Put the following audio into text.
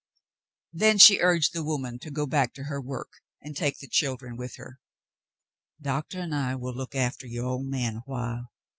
Then she urged the woman to go back to her work and take the children with her. "Doctor and I will look after your old man awhile."